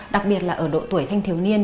đặc biệt là ở độ tuổi thanh thiếu niên